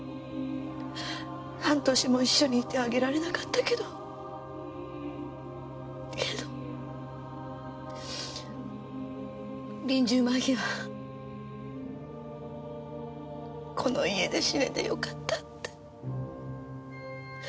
半年も一緒にいてあげられなかったけどけど臨終間際この家で死ねてよかったってそう言ってくれたんです。